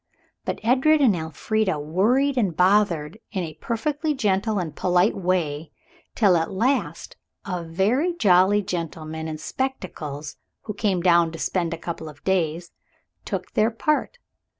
But Edred and Elfrida worried and bothered in a perfectly gentle and polite way till at last a very jolly gentleman in spectacles, who came down to spend a couple of days, took their part.